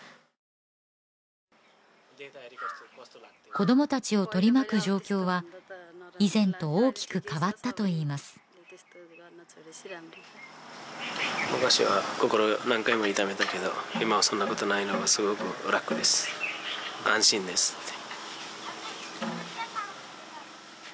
子どもたちを取り巻く状況は以前と大きく変わったといいます昔は心何回も痛めたけど今はそんなことないのがすごく楽です安心ですって